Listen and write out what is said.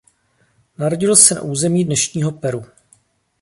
Narodil se na území dnešního Peru.